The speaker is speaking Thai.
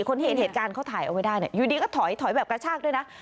คนที่เห็นเหตุการณ์เขาถ่ายเอาไว้ได้เนี่ยอยู่ดีก็ถอยถอยแบบกระชากด้วยนะ